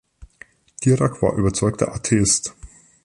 Dirac war überzeugter Atheist.